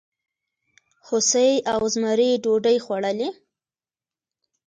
هوسۍ او زمري ډوډۍ خوړلې؟